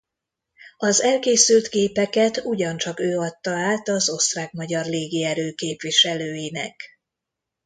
Az elkészült gépeket ugyancsak ő adta át az osztrák-magyar légierő képviselőinek.